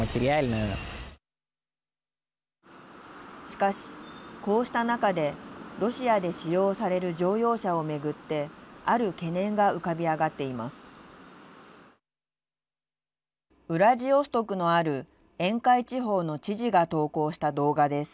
しかし、こうした中でロシアで使用される乗用車を巡ってある懸念が浮かび上がっています。